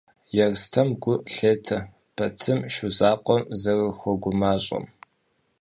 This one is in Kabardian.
Ерстэм гу лъетэ Батым Шу закъуэм зэрыхуэгумащӏэм.